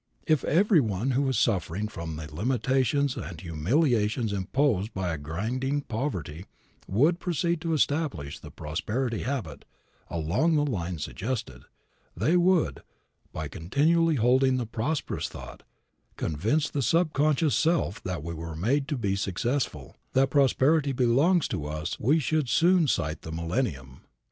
If every one who is suffering from the limitations and humiliations imposed by a grinding poverty would proceed to establish the prosperity habit along the lines suggested; if they would, by continually holding the prosperous thought, convince the sub conscious self that we were made to be successful, that prosperity belongs to us we should soon sight the millennium.